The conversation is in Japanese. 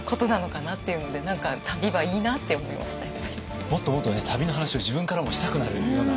もっともっとね旅の話を自分からもしたくなるような感じがしましたね。